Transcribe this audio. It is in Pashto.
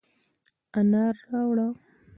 انار راوړه،